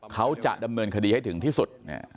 เขาจะดำเนินคดีให้ถึงที่สุด